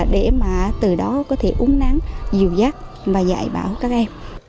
để mà từ đó có thể uống nắng dịu dắt và dạy bảo các em